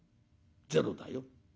ゼロだよ。